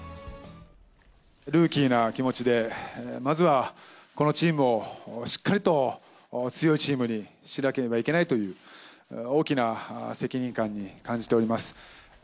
ルーキーな気持ちで、まずは、このチームをしっかりと強いチームにしなければいけないという大きな責任感に感じております。